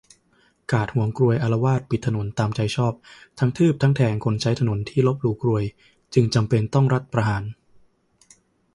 การ์ดหวงกรวยอาละวาดปิดถนนตามใจชอบ ทั้งทืบทั้งแทงคนใช้ถนนที่ลบหลู่กรวย จึงจำเป็นต้องรัฐประหาร